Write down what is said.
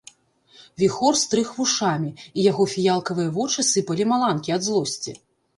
Віхор стрыг вушамі, і яго фіялкавыя вочы сыпалі маланкі ад злосці.